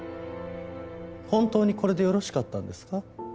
本当にこれでよろしかったんですか？